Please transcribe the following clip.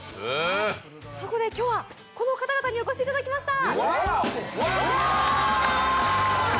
そこで今日はこの方々にお越しいただきました